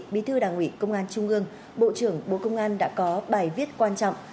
bí thư đảng ủy công an trung ương bộ trưởng bộ công an đã có bài viết quan trọng